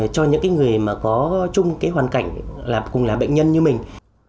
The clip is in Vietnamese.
cho những cái người mà có chung cái hoàn cảnh cùng là bệnh nhân như mình